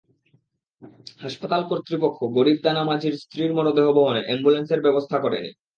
হাসপাতাল কর্তৃপক্ষ গরিব দানা মাঝির স্ত্রীর মরদেহ বহনে অ্যাম্বুলেন্সের ব্যবস্থা করেনি।